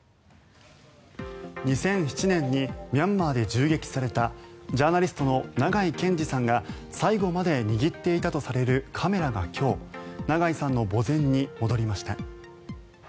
２００７年にミャンマーで銃撃されたジャーナリストの長井健司さんが最後まで握っていたとされるカメラが今日長井さんの墓前に戻りました。